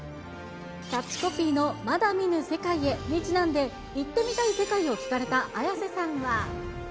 キャッチコピーのまだ見ぬ世界へにちなんで、行ってみたい世界を聞かれた綾瀬さんは。